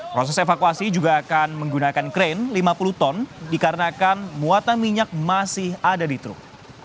proses evakuasi juga akan menggunakan krain lima puluh ton dikarenakan muatan minyak masih ada di truk